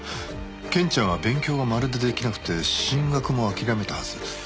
ケンちゃんは勉強がまるで出来なくて進学も諦めたはず。